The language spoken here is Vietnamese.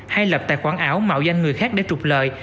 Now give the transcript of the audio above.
hay lập tài khoản ảo mạo danh người khác để trục lợi